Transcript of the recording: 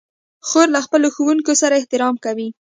خور له خپلو ښوونکو سره احترام کوي.